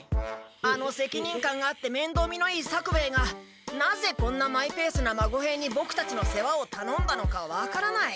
あの責任感があってめんどうみのいい作兵衛がなぜこんなマイペースな孫兵にボクたちの世話をたのんだのか分からない。